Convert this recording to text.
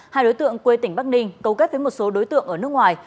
hai đối tượng quê tỉnh bắc ninh cấu kết với một số đối tượng ở nước ngoài